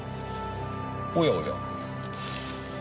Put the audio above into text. おやおや。